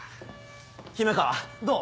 姫川どう？